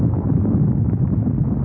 satu bayi masuk masuk